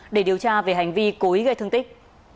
để điều tra về hành vi cố ý gây thương tích